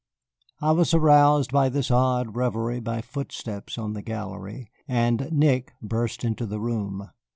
I was aroused from this odd revery by footsteps on the gallery, and Nick burst into the room.